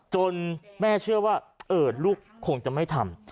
แม่เชื่อว่าลูกคงจะไม่ทำ